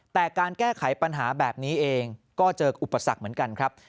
แต่การแก้ไขปัญหาแบบนี้เองก็เจออุปสรรคเหมือนกันครับ